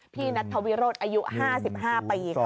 พี่นัทธวิโรธอายุ๕๕ปีค่ะ